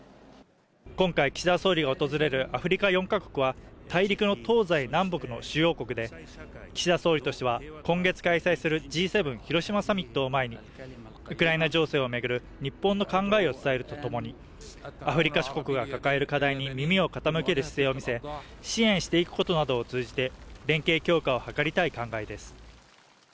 今回、岸田総理が訪れるアフリカ４か国は、大陸の東西南北の主要国で岸田総理としては今月開催するＧ７広島サミット前にウクライナ情勢を巡る日本の考えを伝えるとともに、アフリカ諸国が抱える課題に耳を傾ける姿勢を見せ支援していくことなどを通じて連携強化を図りたい考えです。